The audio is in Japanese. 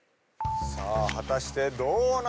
さあ果たしてどうなのか？